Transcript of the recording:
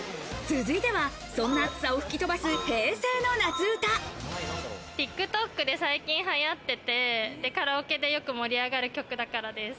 続いては、そんな暑さを吹きＴｉｋＴｏｋで最近、流行っててカラオケでよく盛り上がる曲だからです。